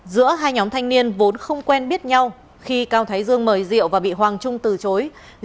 giữa hai nhóm thanh niên vốn không quen biết nhau khi cao thái dương mời rượu và bị hoàng trung từ chối